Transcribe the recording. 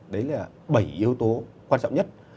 đấy là bảy yếu tố quan trọng nhất